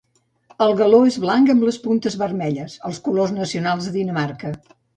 El galó és blanc amb les puntes vermelles, els colors nacionals de Dinamarca.